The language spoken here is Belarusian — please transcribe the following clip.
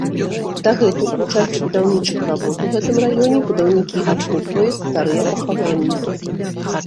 Дагэтуль у часе будаўнічых работ у гэтым раёне будаўнікі адкопваюць старыя пахаванні.